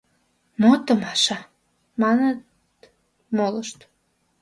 — Мо томаша? — маныт молышт.